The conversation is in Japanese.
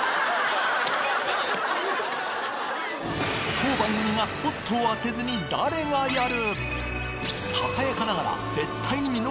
当番組がスポットを当てずに誰がやる！？